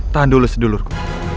tahan dulu sedulurku